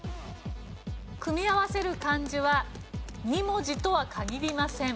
組み合わせる漢字は２文字とは限りません。